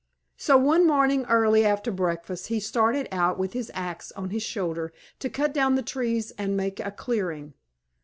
So one morning early after breakfast he started out with his axe on his shoulder to cut down the trees and make a clearing.